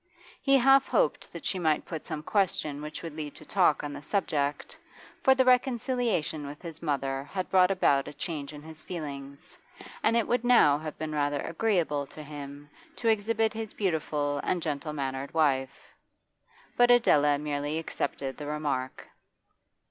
He half hoped that she might put some question which would lead to talk on the subject, for the reconciliation with his mother had brought about a change in his feelings, and it would now have been rather agreeable to him to exhibit his beautiful and gentle mannered wife. But Adela merely accepted the remark.